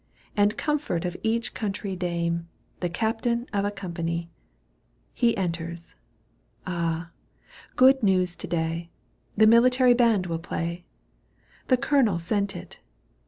And comfort of each country dame. The captain of a company. He enters. Ah ! good news to day ! The military band will play. The colonel sent it.